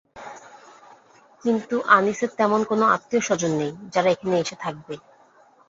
কিন্তু আনিসের তেমন কোনো আত্নীয়স্বজন নেই, যারা এখানে এসে থাকবে।